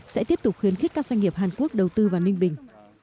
sẽ tiếp tục khuyến khích các doanh nghiệp hàn quốc đầu tư vào ninh bình